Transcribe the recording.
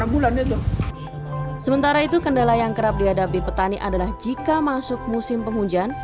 enam bulan itu sementara itu kendala yang kerap dihadapi petani adalah jika masuk musim penghujan